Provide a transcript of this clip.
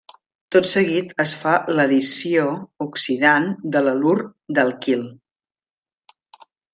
Tot seguit es fa l'addició oxidant de l'halur d'alquil.